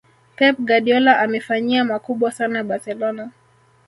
pep guardiola amefanyia makubwa sana barcelona